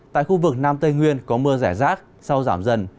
tại khu vực nam tây nguyên có mưa rải rác sau giảm dần